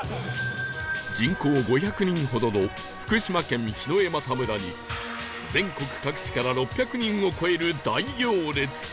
人口５００人ほどの福島県檜枝岐村に全国各地から６００人を超える大行列